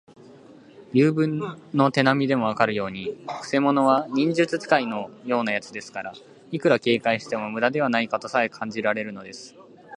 ゆうべの手なみでもわかるように、くせ者は忍術使いのようなやつですから、いくら警戒してもむだではないかとさえ感じられるのです。